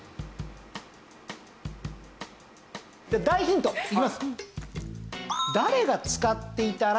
大ヒントいきます！